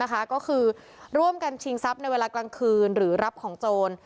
ก็คือร่วมกันชิงทรัพย์ในเวลากลางคืนหรือรับของโจร